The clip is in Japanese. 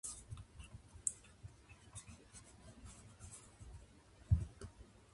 兄弟が会うこと。